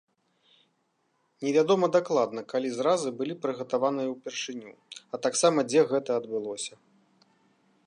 Невядома дакладна, калі зразы былі прыгатаваныя ўпершыню, а таксама дзе гэта адбылося.